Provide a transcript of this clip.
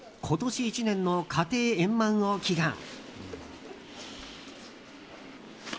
今年１年の家庭円満を祈願。